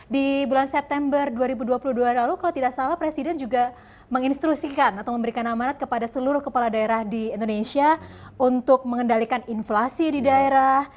di bulan september dua ribu dua puluh dua lalu kalau tidak salah presiden juga menginstrusikan atau memberikan amanat kepada seluruh kepala daerah di indonesia untuk mengendalikan inflasi di daerah